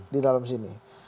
di dalam sini